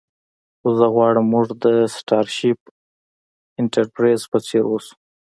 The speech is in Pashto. خو زه غواړم موږ د سټارشیپ انټرپریز په څیر اوسو